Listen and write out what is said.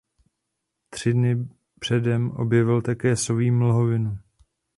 Tři dny předem objevil také Soví mlhovinu.